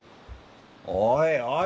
おいおい